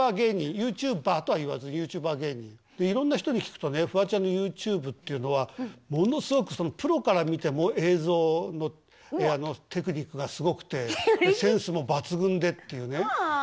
「ＹｏｕＴｕｂｅｒ」とは言わずＹｏｕＴｕｂｅｒ芸人。でいろんな人に聞くとねフワちゃんのＹｏｕＴｕｂｅっていうのはものすごくプロから見ても映像のテクニックがすごくてセンスも抜群でっていうね。